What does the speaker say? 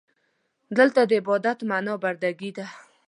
دلته د عبادت معنا برده ګي ده.